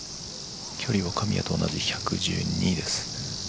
距離は神谷と同じ１１２です。